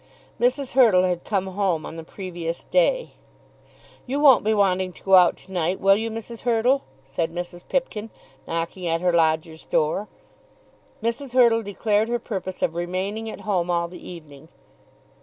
Mrs. Hurtle had come home on the previous day. "You won't be wanting to go out to night; will you, Mrs. Hurtle?" said Mrs. Pipkin, knocking at her lodger's door. Mrs. Hurtle declared her purpose of remaining at home all the evening.